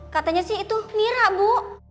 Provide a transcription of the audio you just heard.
katanya sih itu nira bu